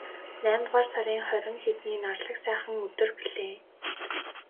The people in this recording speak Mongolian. Наймдугаар сарын хорин хэдний нарлаг сайхан өдөр билээ.